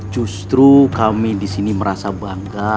justru kami disini merasa bangga